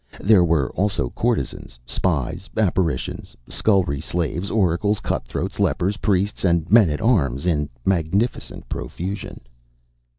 There were also courtesans, spies, apparitions, scullery slaves, oracles, cutthroats, lepers, priests and men at arms in magnificent profusion.